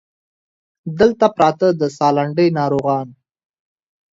دلته پراته د سالنډۍ ناروغان